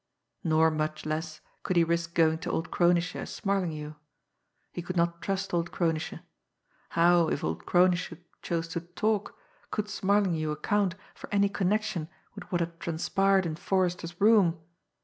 Nor, much less, could he risk going to old Kronische as Smarlinghue. He could not trust old Kronische. How, if old Kronische chose to "talk," could Smarlinghue account for any connection with what had transpired in Forrester's room?